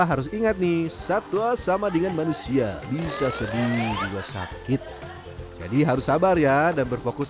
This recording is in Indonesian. harus ingat nih satwa sama dengan manusia bisa sedih juga sakit jadi harus sabar ya dan berfokus